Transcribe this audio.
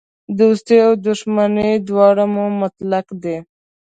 دوستي او دښمني دواړه مو مطلق دي.